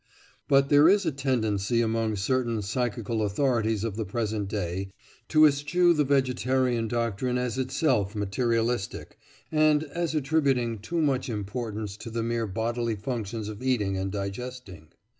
But there is a tendency among certain "psychical" authorities of the present day to eschew the vegetarian doctrine as itself "materialistic," and as attributing too much importance to the mere bodily functions of eating and digesting.